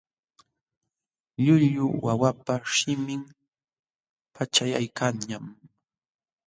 Llullu wawapa shimin paćhyaykanñam.